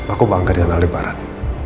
aku bangga dengan ali barat